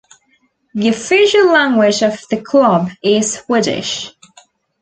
The official language of the club is Swedish.